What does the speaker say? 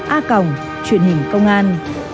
a cộng truyền hình công an